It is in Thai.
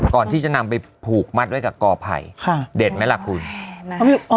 ก่อนที่จะนำไปผูกมัดไว้กับกอไผ่ค่ะเด็ดไหมล่ะคุณ